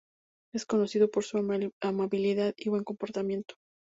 Es conocido por su amabilidad y buen comportamiento.